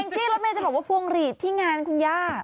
แองจี้แล้วแม่จะบอกว่าพวงลีทที่งานคุณย่า